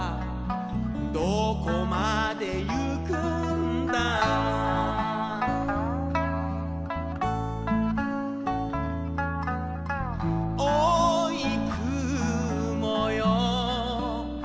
「どこまでゆくんだ」「おうい雲よ」